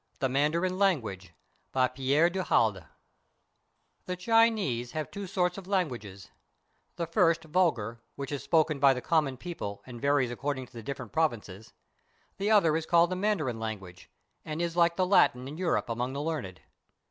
THE MANDARIN LANGUAGE BY PERE DU HALDE The Chinese have two sorts of languages; the first vul gar, which is spoken by the common people and varies according to the different provinces; the other is called the Mandarin language and is like the Latin in Europe among the learned.